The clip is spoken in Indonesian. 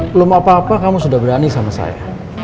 belum apa apa kamu sudah berani sama saya